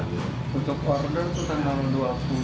tutup order itu tanggal dua puluh